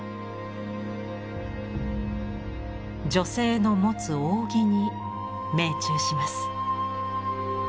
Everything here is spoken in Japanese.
女性の持つ扇に命中します。